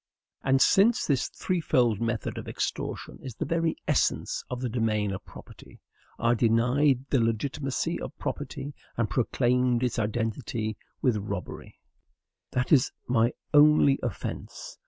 And since this threefold method of extortion is the very essence of the domain of property, I denied the legitimacy of property, and proclaimed its identity with robbery. That is my only offence.